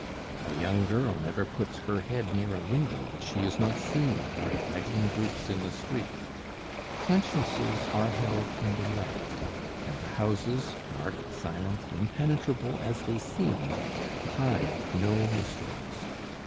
A young girl never puts her head near a window that she is not seen by idling groups in the street. Consciences are held in the light; and the houses, dark, silent, impenetrable as they seem, hide no mysteries.